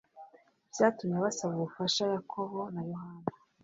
Byatumye basaba ubufasha Yakobo na Yohana